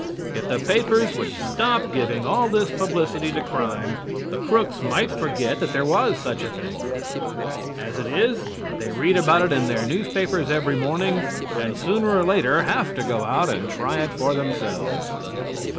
If the papers would stop giving all this publicity to crime, the crooks might forget that there was such a thing. As it is, they read about it in their newspapers every morning, and sooner or later have to go out and try it for themselves.